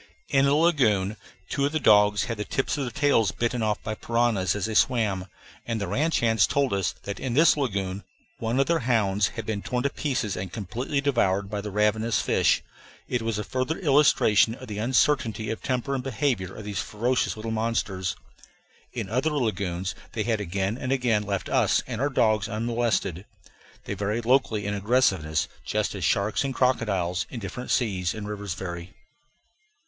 In a lagoon two of the dogs had the tips of their tails bitten off by piranhas as they swam, and the ranch hands told us that in this lagoon one of their hounds had been torn to pieces and completely devoured by the ravenous fish. It was a further illustration of the uncertainty of temper and behavior of these ferocious little monsters. In other lagoons they had again and again left us and our dogs unmolested. They vary locally in aggressiveness just as sharks and crocodiles in different seas and rivers vary.